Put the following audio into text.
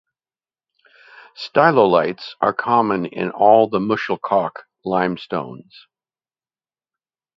Stylolites are common in all the Muschelkalk limestones.